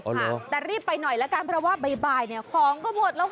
ค่ะแต่รีบไปหน่อยละกันเพราะว่าบ่ายเนี่ยของก็หมดแล้วค่ะ